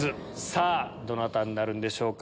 さぁどなたになるんでしょうか？